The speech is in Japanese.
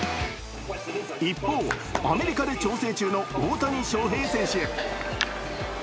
一方、アメリカで調整中の大谷翔平選手。